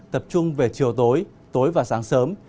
tập trung về chiều tối tối và sáng sớm